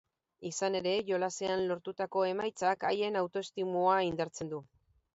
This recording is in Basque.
Izan ere, jolasean lortutako emaitzak haien autoestimua indartzen du.